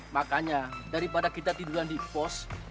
makanya daripada kita tiduran di pos